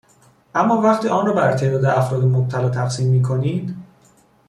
اما وقتی آن را بر تعداد افراد مبتلا تقسیم میکنید